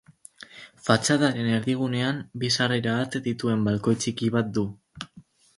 Fatxadaren erdigunean bi sarrera-ate dituen balkoi txiki bat du.